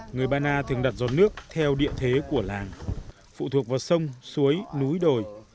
người ba na thường đặt giọt nước theo địa thế của làng phụ thuộc vào sông suối núi đồi